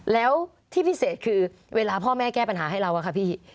แล้วที่พิเศษคือเวลาพ่อแม่แก้ปัญหาให้เราอะค่ะพี่